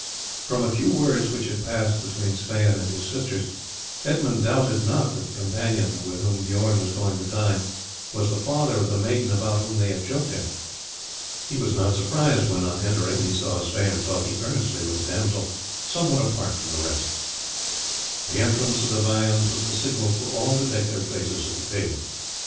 From a few words which had passed between Sweyn and his sisters Edmund doubted not that the companion with whom Bijorn was going to dine was the father of the maiden about whom they had joked him. He was not surprised when on entering he saw Sweyn talking earnestly with a damsel somewhat apart from the rest. The entrance of the viands was the signal for all to take their places at the table.